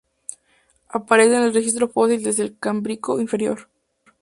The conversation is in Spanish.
Aparecen en el registro fósil desde el Cámbrico inferior.